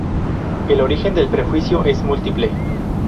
El origen del prejuicio es múltiple.